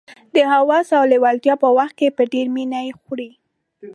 د هوس او لېوالتیا په وخت کې په ډېره مینه یې خوري.